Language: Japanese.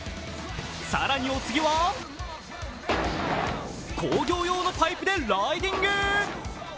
更にお次は工業用のパイプでライディング！